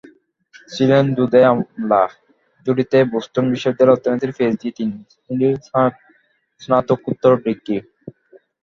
ছিলেন দুঁদে আমলা, ঝুড়িতে বোস্টন বিশ্ববিদ্যালয়ের অর্থনীতির পিএইচডি, তিন তিনটি স্নাতোকোত্তর ডিগ্রি।